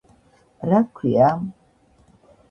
რა გქვია?